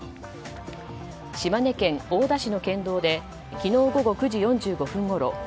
島根県大田市の県道で昨日午後９時４５分ごろ